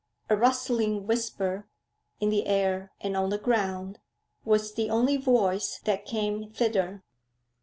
A rustling whisper, in the air and on the ground, was the only voice that came thither.